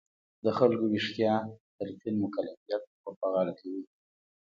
د خلکو ویښتیا تلقین مکلفیت ور په غاړه وي.